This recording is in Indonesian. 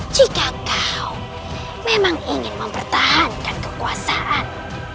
jika kau memang ingin mempertahankan kekuasaan